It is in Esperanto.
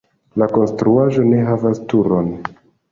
La konstruaĵo ne havas turon.